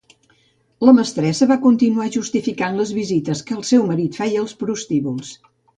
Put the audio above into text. La mestressa va continuar justificant les visites que el seu marit feia als prostíbuls.